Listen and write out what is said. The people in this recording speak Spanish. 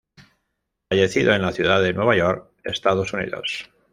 Fallecido en la ciudad de Nueva York, Estados Unidos.